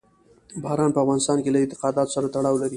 باران په افغانستان کې له اعتقاداتو سره تړاو لري.